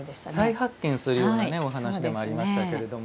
再発見するようなお話でもありましたけれども。